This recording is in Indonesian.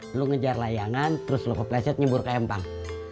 kamu mengejar layangan lalu kamu kepleset dan menyebur ke empang